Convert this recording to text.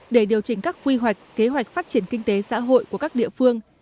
để điều chỉnh các quy hoạch kế hoạch phát triển kinh tế xã hội của các địa phương